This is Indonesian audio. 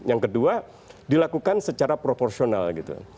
yang kedua dilakukan secara proporsional gitu